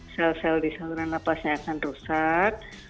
sel sel di saluran nafasnya akan rusak